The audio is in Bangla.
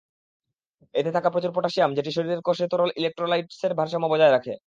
এতে থাকে প্রচুর পটাসিয়াম, যেটি শরীরের কোষে তরল ইলেকট্রোলাইটেসর ভারসাম্য বজায় রাখে।